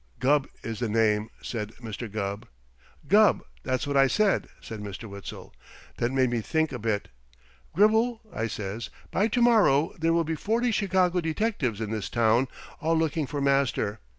'" "Gubb is the name," said Mr. Gubb. "Gubb. That's what I said," said Mr. Witzel. "That made me think a bit. 'Gribble,' I says, 'by to morrow there will be forty Chicago detectives in his town, all looking for Master.